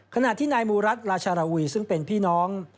ขณะที่นายมูรัฐราชาราวีซึ่งเป็นพี่น้อง